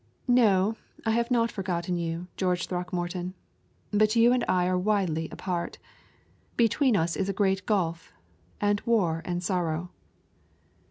"No, I have not forgotten you, George Throckmorton. But you and I are widely apart. Between us is a great gulf, and war and sorrow."